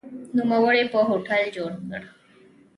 نوموړي په هوټل جوړ کړ.